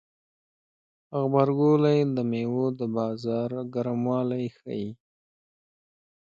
غبرګولی د میوو د بازار ګرموالی ښيي.